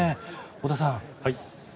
太田さん。